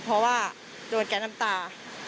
เพราะว่าโดนแก๊สน้ำตา